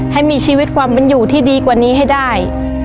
ให้มีชีวิตความเป็นอยู่ที่ดีกว่านี้ให้ได้